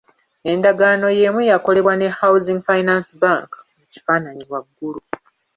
Endagaano y'emu yakolebwa ne Housing Finance Bank (mu kifaananyi waggulu).